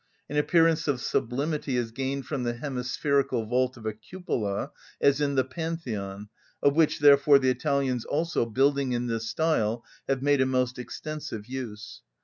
An appearance of sublimity is gained from the hemispherical vault of a cupola, as in the Pantheon, of which, therefore, the Italians also, building in this style, have made a most extensive use.